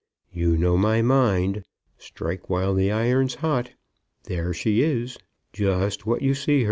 "You know my mind. Strike while the iron's hot. There she is, just what you see her."